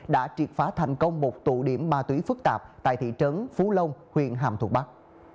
đã triệt phá thành công một tụ điểm ma túy phức tạp tại thị trấn phú long huyện hàm thuận bắc